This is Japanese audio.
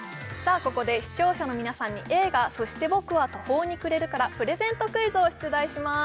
ここで視聴者の皆さんに映画「そして僕は途方に暮れる」からプレゼントクイズを出題します